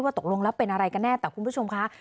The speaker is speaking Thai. ตกลงแล้วเป็นอะไรกันแน่แต่คุณผู้ชมคะ